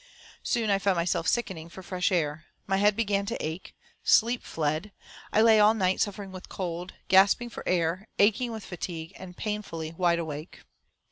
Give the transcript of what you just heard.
Soon I found myself sickening for fresh air. My head began to ache. Sleep fled. I lay all night suffering with cold, gasping for air, aching with fatigue, and painfully wide awake.